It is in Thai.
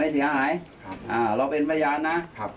ไม่เสียหายเราเป็นประญาณนะ